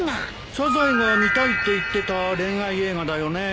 サザエが見たいって言ってた恋愛映画だよね。